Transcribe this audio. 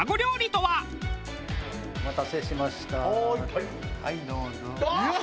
はいどうぞ。